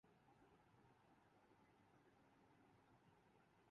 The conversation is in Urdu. وزیر اعظم نے ورلڈ اکنامک فورم پہ اپنی قادرالکلامی کی دھوم مچا دی